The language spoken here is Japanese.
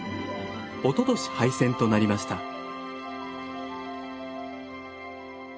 おととし廃線となりました。